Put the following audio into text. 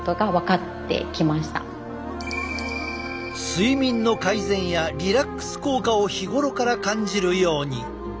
睡眠の改善やリラックス効果を日頃から感じるように。